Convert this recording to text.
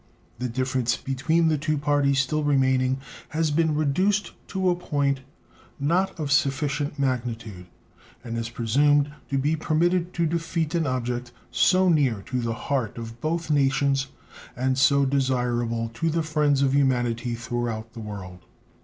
The difference between the parties still remaining has been reduced to a point not of sufficient magnitude, as is presumed, to be permitted to defeat an object so near to the heart of both nations and so desirable to the friends of humanity throughout the world.